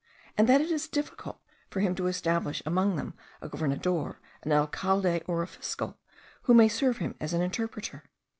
and that it is difficult for him to establish among them a governador, an alcalde, or a fiscal, who may serve him as an interpreter?